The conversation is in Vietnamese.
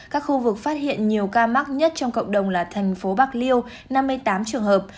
các khu vực phát hiện nhiều ca mắc nhất trong cộng đồng là thành phố bạc liêu năm mươi tám trường hợp